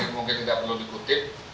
mungkin tidak perlu dikutip